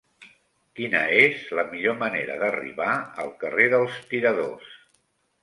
Quina és la millor manera d'arribar al carrer dels Tiradors?